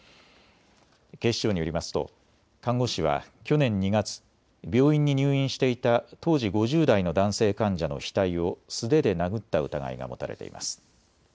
警視庁によりますと看護師は去年２月、病院に入院していた当時５０代の男性患者の額を素手で殴った疑いが持たれています。